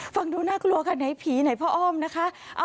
ฟังดูน่ากลัวค่ะไหนผีไหนพ่ออ้อมนะคะ